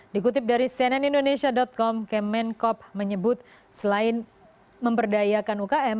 dikutip dari senenindonesia com kemenkop menyebut selain memperdayakan ukm